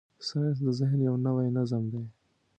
ساینس د ذهن یو نوی نظم دی.